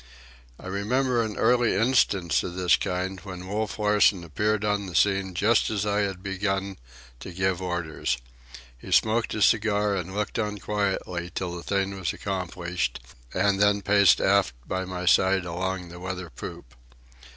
I remember an early instance of this kind, when Wolf Larsen appeared on the scene just as I had begun to give orders. He smoked his cigar and looked on quietly till the thing was accomplished, and then paced aft by my side along the weather poop.